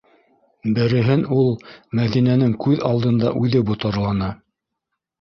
Береһен ул Мәҙинәнең күҙ алдында үҙе ботарланы.